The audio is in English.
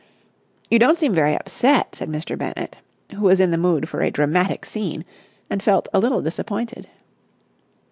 "You don't seem very upset," said Mr. Bennett, who was in the mood for a dramatic scene and felt a little disappointed.